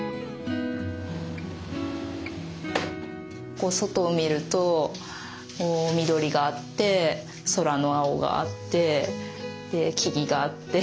こう外を見ると緑があって空の青があって木々があって。